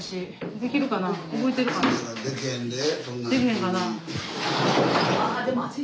できへんかな？